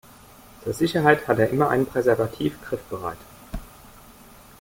Zur Sicherheit hat er immer ein Präservativ griffbereit.